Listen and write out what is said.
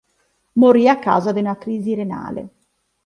Morì a causa di una crisi renale.